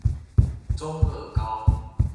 中二高